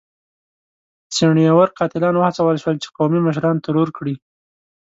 څڼيور قاتلان وهڅول شول چې قومي مشران ترور کړي.